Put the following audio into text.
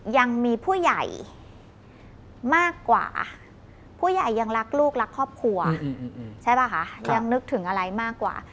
ยังมีผู้ใหญ่มากกว่าผู้ใหญ่ยังรักลูกรักครอบครัวใช่ป่ะคะยังนึกถึงอะไรมากกว่า